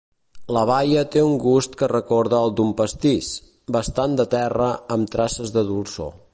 La baia té un gust que recorda al d'un pastís, bastant de terra amb traces de dolçor.